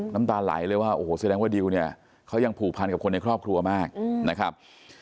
น้ำตาไหลเลยว่าโอ้โหแสดงว่าดิวเนี่ยเขายังผูกพันกับคนในครอบครัวมากนะครับ